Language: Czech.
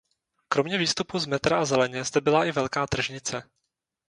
Kromě výstupu z metra a zeleně zde byla i velká tržnice.